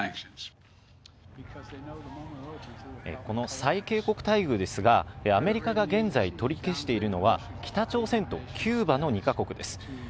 この最恵国待遇ですが、アメリカが現在取り消しているのは、北朝鮮とキューバの２か国です。